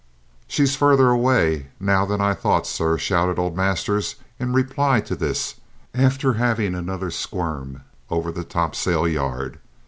"She's further away now than I thought, sir!" shouted old Masters in reply to this, after having another squirm over the topsail yard.